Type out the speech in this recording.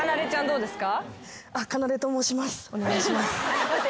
どうですか？